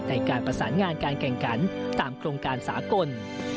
ในการประสานงานการแข่งขันตามโครงการสากล